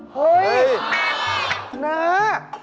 เฮ้ยน้า